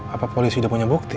apa polisi sudah punya bukti